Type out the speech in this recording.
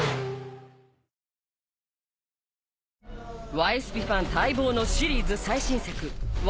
『ワイスピ』ファン待望のシリーズ